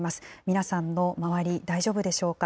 皆さんの周り、大丈夫でしょうか。